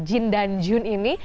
jin dan jun ini